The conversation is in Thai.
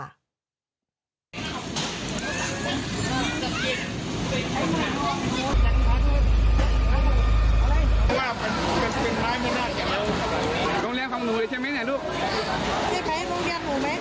ตกใจเนอะ